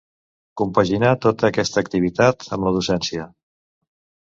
Compaginà tota aquesta activitat amb la docència.